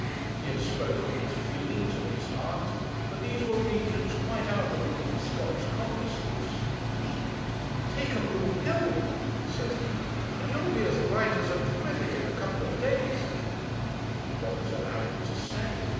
He had spoken of his feelings and his heart, but these were regions quite out of Undy Scott's cognizance. 'Take a blue pill,' said he, 'and you'll be as right as a trivet in a couple of days.' What was Alaric to say?